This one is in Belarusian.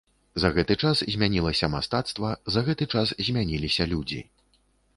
За гэты час змянілася мастацтва, за гэты час змяніліся людзі.